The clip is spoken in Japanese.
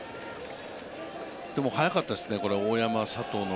でも、早かったですね、大山、佐藤の